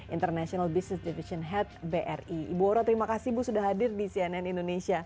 international business division head bri ibu oro terima kasih ibu sudah hadir di cnn indonesia